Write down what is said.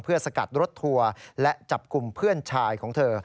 สกัดรถทัวร์และจับกลุ่มเพื่อนชายของเธอ